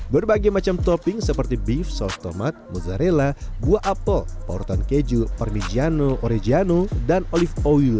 berbagai macam topping seperti beef sauce tomat mozzarella buah apel perutan keju parmigiano oregano dan olive oil